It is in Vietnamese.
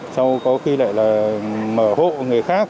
sau có khi lại là mở hộ người khác